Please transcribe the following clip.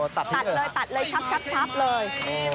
ตัดเลยตัดเลยชับเลย